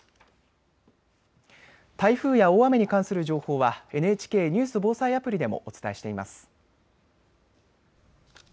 台風や大雨に関する情報はＮＨＫニュース・防災アプリでもお伝えしています。